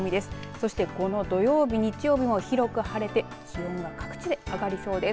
そしてこの土曜日、日曜日も広く晴れて気温が各地で上がりそうです。